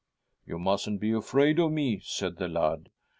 ' You mustn't be afraid of me,' said the lad.